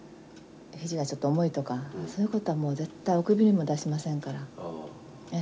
肘がちょっと重いとかそういうことはもう絶対おくびにも出しませんから。